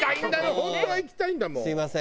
本当は行きたいんだもん。